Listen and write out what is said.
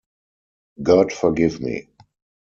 God forgive me.